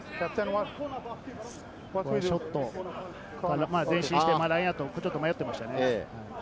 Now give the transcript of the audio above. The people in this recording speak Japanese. ショット、前進してラインアウトと迷っていましたね。